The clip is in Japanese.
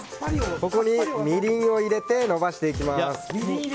ここに、みりんを入れてのばしていきます。